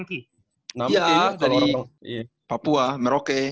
iya dari papua merauke